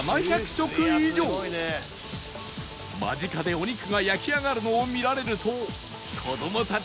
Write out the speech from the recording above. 間近でお肉が焼き上がるのを見られると